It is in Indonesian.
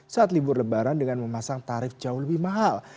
saat libur lebaran dengan memasang tarif jauh lebih mahal